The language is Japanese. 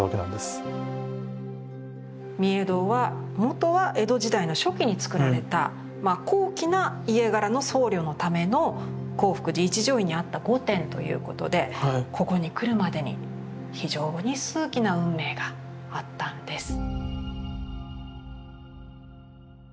御影堂はもとは江戸時代の初期に造られた高貴な家柄の僧侶のための興福寺一乗院にあった御殿ということでここに来るまでに非常に数奇な運命があったんです。